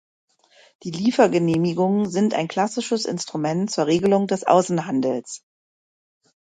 Die Liefergenehmigungen sind ein klassisches Instrument zur Regelung des Außenhandels.